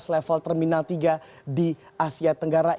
level terminal tiga di asia tenggara